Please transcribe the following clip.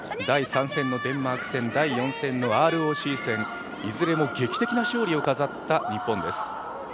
第３戦のデンマーク戦、第４戦のＲＯＣ戦いずれも劇的な勝利を飾った日本です。